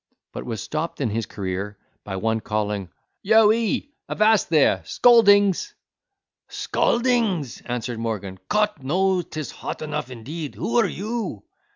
—but was stopped in his career by one calling, "Yo he, avast there—scaldings!" "Scaldings!" answered Morgan; "Cot knows 'tis hot enough indeed: who are you?"